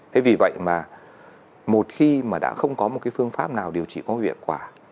thế vì vậy mà một khi mà đã không có một cái phương pháp nào điều trị có hiệu quả